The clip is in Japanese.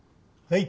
はい。